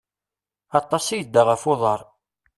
Aṭas i yedda ɣef uḍaṛ.